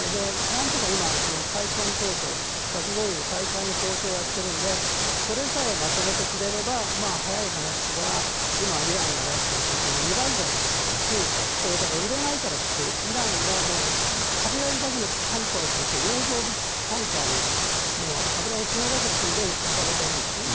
なんとか今、核合意の再開の交渉をやっているのでそれさえまとめてくれれば早い話が今、イランが出してる石油の２倍ぐらいは出てくるしそれから売れないからってイランが借りられるだけのタンカーを借りて洋上備蓄ってタンカーに油を積めるだけ積んで浮かべてるんですよね。